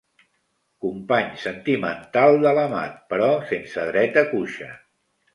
Company sentimental de l'amat, però sense dret a cuixa.